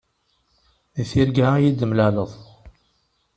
Di tirga ad yi-d-temlaleḍ.